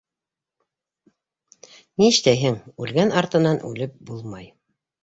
Ништәйһең, үлгән артынан үлеп булмай.